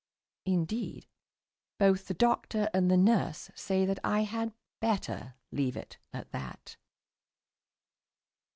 Indeed, both the doctor and the nurse say that I had better leave it at that.